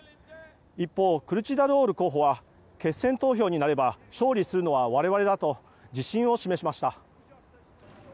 一方クルチダルオール候補は決選投票になれば勝利するのは我々だと自信を示しました。